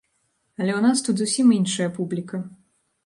Але ў нас тут зусім іншая публіка.